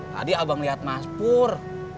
tadi abang lihat mas pur